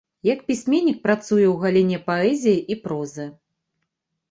Як пісьменнік працуе ў галіне паэзіі і прозы.